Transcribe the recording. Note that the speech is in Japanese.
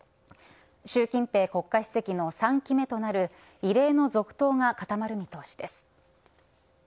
近平国家主席の３期目となる異例の続投が固まる見通しです。